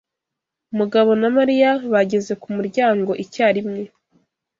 Mugabo na Mariya bageze ku muryango icyarimwe.